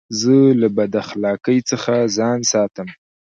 زه له بداخلاقۍ څخه ځان ساتم.